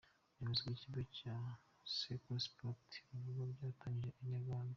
Ubuyobozi bw’ ikigo cya Cercle Sportif Rugunga bwatangarije Inyarwanda.